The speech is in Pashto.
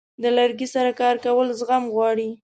د لرګي سره کار کول زغم غواړي.